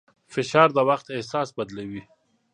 فشار د وخت احساس بدلوي.